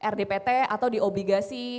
rdpt atau di obligasi